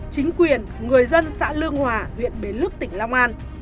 chính quyền người dân xã lương hòa huyện bến lức tỉnh long an